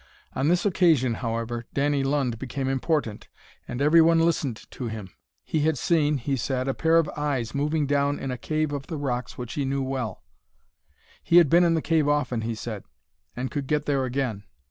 On this occasion, however, Danny Lund became important, and every one listened to him. He had seen, he said, a pair of eyes moving down in a cave of the rocks which he well knew. He had been in the cave often, he said, and could get there again.